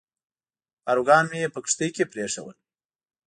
پاروګان مې په کښتۍ کې پرېښوول.